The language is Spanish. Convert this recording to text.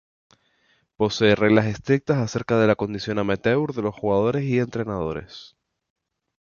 Posee reglas estrictas acerca de la condición amateur de los jugadores y entrenadores.